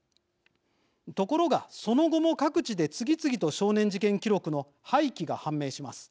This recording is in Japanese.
ところが、その後も各地で次々と少年事件記録の廃棄が判明します。